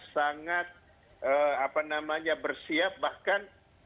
sangat apa namanya bersiap bahkan